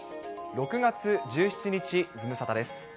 ６月１７日、ズムサタです。